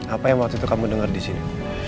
apa yang waktu itu kamu denger disini